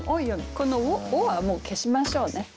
この「を」はもう消しましょうね。